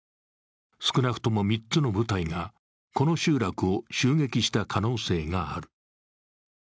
少なくとも３つの部隊がこの集落を襲撃した可能性がある。